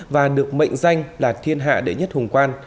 và được mệnh danh là thiên hạ đệ nhất hùng quan